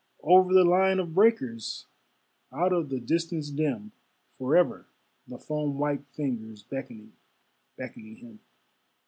Over the line of breakers, Out of the distance dim; Forever the foam white fingers Beckoning, beckoning him.